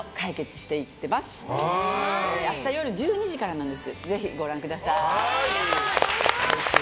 明日夜１２時からですがぜひご覧ください。